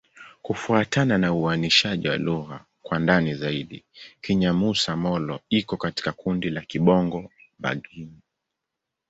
Kufuatana na uainishaji wa lugha kwa ndani zaidi, Kinyamusa-Molo iko katika kundi la Kibongo-Bagirmi.